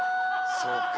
そうか！